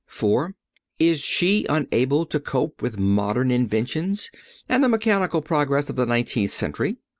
IV. Is she unable to cope with modern inventions and the mechanical progress of the nineteenth century?